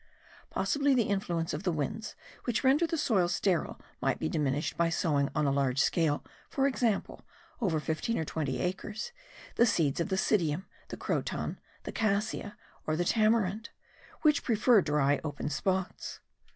Possibly the influence of the winds which render the soil sterile might be diminished by sowing on a large scale, for example, over fifteen or twenty acres, the seeds of the psidium, the croton, the cassia, or the tamarind, which prefer dry, open spots.